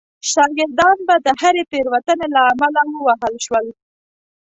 شاګردان به د هرې تېروتنې له امله ووهل شول.